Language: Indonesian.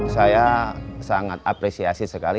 saya sangat apresiasi sekali